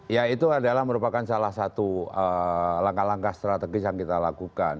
ya itu adalah merupakan salah satu langkah langkah strategis yang kita lakukan